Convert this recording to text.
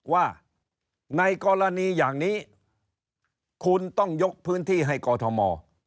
ว่าในกรณีอย่างนี้คุณต้องยกพื้นที่ให้กอทม